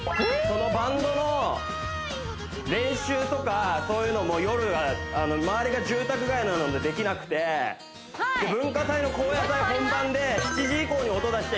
そのバンドの練習とかそういうのも夜周りが住宅街なのでできなくて動き変わります